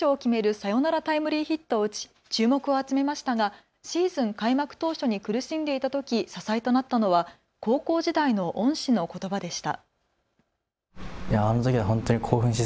サヨナラタイムリーヒットを打ち注目を集めましたがシーズン開幕当初に苦しんでいたとき支えとなったのは高校時代の恩師のことばでした。